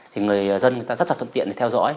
thì người dân người ta rất là thuận tiện để theo dõi